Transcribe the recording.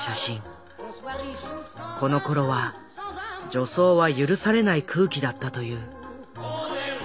このころは女装は許されない空気だったという。